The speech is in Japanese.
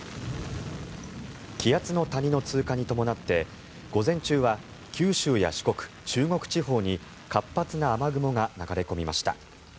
気圧の谷の通過に伴って午前中は九州や四国、中国地方に活発な雨雲が流れ込みました。